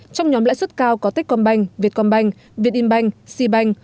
trong nhóm lãi suất cao có techcombank vietcombank vietinbank sibank